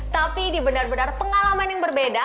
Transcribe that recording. tapi di benar benar pengalaman yang berbeda